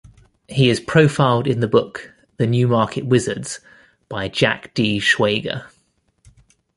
He is profiled in the book "The New Market Wizards" by Jack D. Schwager.